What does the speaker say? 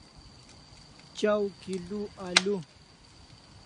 Chaw kilo alu